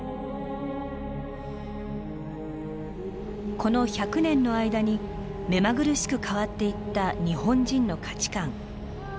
この１００年の間に目まぐるしく変わっていった日本人の価値観。